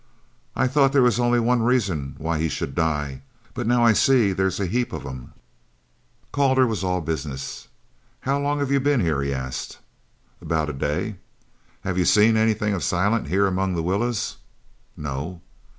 "I thought there was only one reason why he should die, but now I see there's a heap of 'em." Calder was all business. "How long have you been here?" he asked. "About a day." "Have you seen anything of Silent here among the willows?" "No."